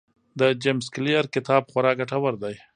د جیمز کلیر کتاب خورا ګټور دی.